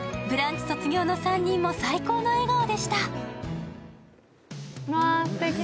「ブランチ」卒業の３人も最高の笑顔でした。